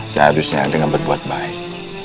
seharusnya dengan berbuat baik